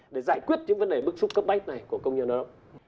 để giải quyết những vấn đề bức xúc cấp bách này của công nhân lao động